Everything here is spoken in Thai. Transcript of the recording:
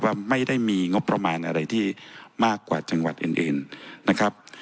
ว่าไม่ได้มีงบประมาณอะไรที่มากกว่าจังหวัดอื่นนะครับ